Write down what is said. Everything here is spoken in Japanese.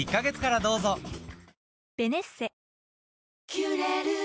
「キュレル」